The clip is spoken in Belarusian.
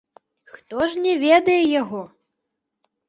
Хто ж не ведае яго?